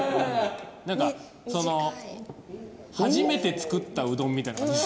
なんかその初めて作ったうどんみたいな感じ。